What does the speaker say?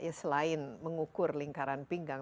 ya selain mengukur lingkaran pinggang